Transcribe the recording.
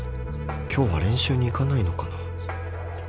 今日は練習に行かないのかな